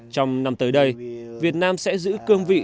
trong năm tới đây việt nam sẽ giữ cương vị